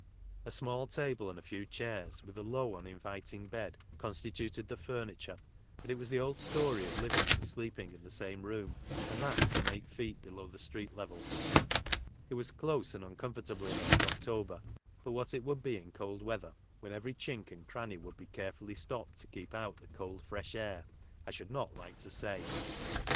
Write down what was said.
A euiall table and a few chairs, with a low, uninviting bed, constituted the f urniture; and it was the old story of living and sleeping in the same room, and that some eight feet below the street level. It was close and uncomfortable enough for October, but what it would be in cold weather, when every chink and cranny would be carefully stopped to keep out tin? cold, fresh air, I should not like to say.